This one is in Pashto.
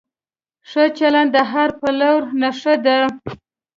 ښه چلند د هر پلور نښه ده.